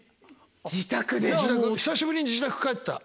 自宅で⁉久しぶりに自宅帰った。